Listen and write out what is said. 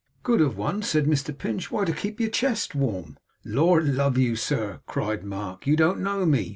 'Good of one?' said Mr Pinch. 'Why, to keep your chest warm.' 'Lord love you, sir!' cried Mark, 'you don't know me.